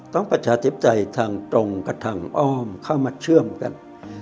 ประชาธิปไตยทางตรงกับทางอ้อมเข้ามาเชื่อมกัน